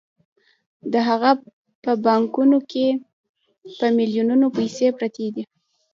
د هغه په بانکونو کې په میلیونونو پیسې پرتې دي